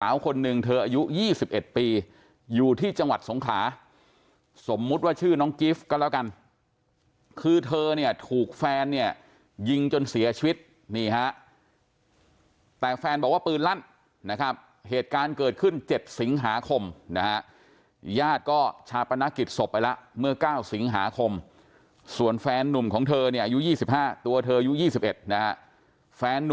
คนหนึ่งเธออายุ๒๑ปีอยู่ที่จังหวัดสงขลาสมมุติว่าชื่อน้องกิฟต์ก็แล้วกันคือเธอเนี่ยถูกแฟนเนี่ยยิงจนเสียชีวิตนี่ฮะแต่แฟนบอกว่าปืนลั่นนะครับเหตุการณ์เกิดขึ้น๗สิงหาคมนะฮะญาติก็ชาปนกิจศพไปแล้วเมื่อ๙สิงหาคมส่วนแฟนนุ่มของเธอเนี่ยอายุ๒๕ตัวเธออายุ๒๑นะฮะแฟนนุ่ม